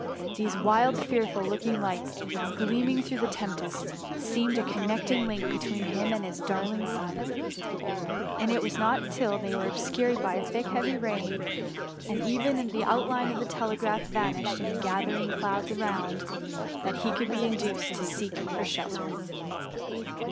These wild, fearful looking lights, gleam ing through the tempest, seemed a connecting link between him and his darling son ; and it was not till they were obscured by the thick heavy rain, and even the outline of the tele graph vanished in the gathering clouds around, that he could be induced to seek for shelter.